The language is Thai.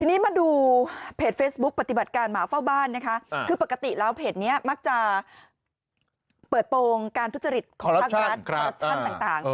ทีนี้มาดูเพจเฟซบุ๊กปฏิบัติการหมาเฝ้าบ้านคือปกติแล้วเพจนี้มักจะเปิดโปรงการทุจริตของทางรัฐ